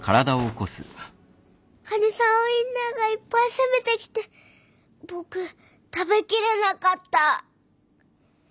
カニさんウインナーがいっぱい攻めてきて僕食べきれなかった。